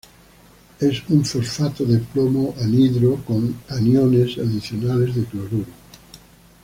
Es un fosfato de plomo anhidro con aniones adicionales de cloruro.